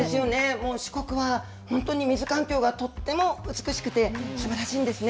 もう四国は本当に水環境がとっても美しくて、すばらしいんですね。